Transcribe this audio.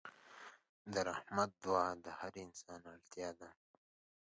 د رحمت دعا د هر انسان اړتیا ده.